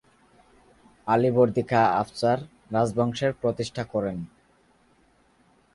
আলীবর্দী খাঁ আফসার রাজবংশের প্রতিষ্ঠা করেন।